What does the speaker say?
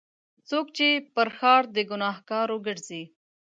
څوک چې پر ښار د ګناهکارو ګرځي.